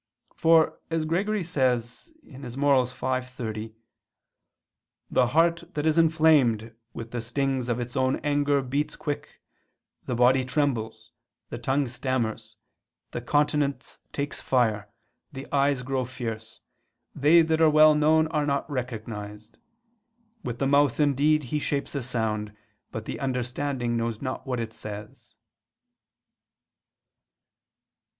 For, as Gregory says (Moral. v, 30) "the heart that is inflamed with the stings of its own anger beats quick, the body trembles, the tongue stammers, the countenance takes fire, the eyes grow fierce, they that are well known are not recognized. With the mouth indeed he shapes a sound, but the understanding knows not what it says."